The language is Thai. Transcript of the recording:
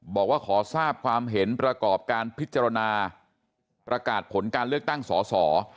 บอกว่าขอทราบความเห็นประกอบการพิจารณาประกาศผลการเลือกตั้งสอสอ